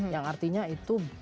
yang artinya itu